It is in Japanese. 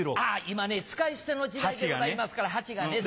今ね使い捨ての時代でございますから鉢がね。